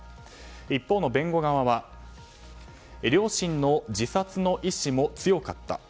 一方の弁護側は両親の自殺の意思も強かった。